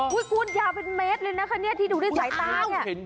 อ๋อเหรอคุณยาวเป็นเมตรเลยนะคะที่ดูได้สายตาเนี่ย